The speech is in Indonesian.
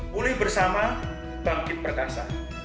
pulih bersama bangkit perkasa